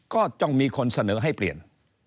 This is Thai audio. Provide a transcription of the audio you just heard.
ก็จงมีคนเสนอให้เปลี่ยน